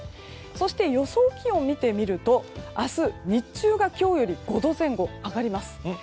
そして予想気温を見てみると明日、日中が今日より５度前後上がります。